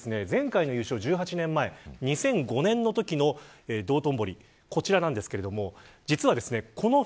前回の優勝の１８年前の２００５年のときの道頓堀がこちらです。